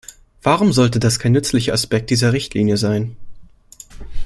Warum sollte das kein nützlicher Aspekt dieser Richtlinie sein?